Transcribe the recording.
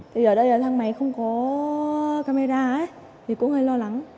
thì ở đây là thang máy không có camera thì cũng hơi lo lắng